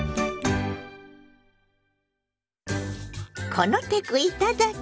「このテクいただき！